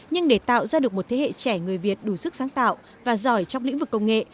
nhưng để tạo ra được một thế hệ trẻ người việt đủ sức sáng tạo và giỏi trong lĩnh vực công nghệ